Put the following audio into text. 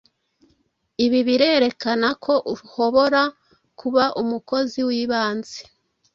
Ibi birerekana ko uhobora kuba umukozi wibanze,